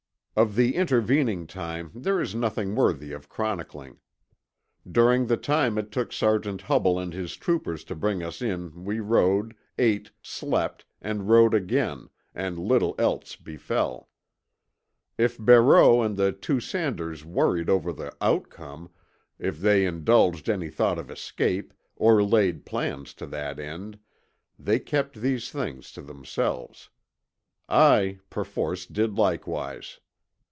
Of the intervening time there is nothing worthy of chronicling. During the time it took Sergeant Hubbel and his troopers to bring us in we rode, ate, slept, and rode again, and little else befell. If Barreau and the two Sanders worried over the outcome, if they indulged any thought of escape, or laid plans to that end, they kept these things to themselves. I perforce, did likewise.